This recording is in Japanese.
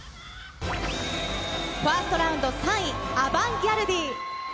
ファーストラウンド３位、アバンギャルディ。